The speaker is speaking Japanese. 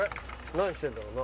何してんだろうな？